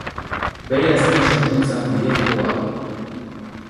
Bere azken sorkuntza bideojoko bat da.